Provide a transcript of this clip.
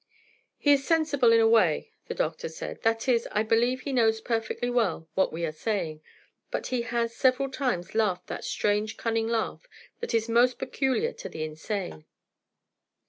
"He is sensible in a way," the doctor said. "That is, I believe he knows perfectly well what we are saying, but he has several times laughed that strange, cunning laugh that is almost peculiar to the insane."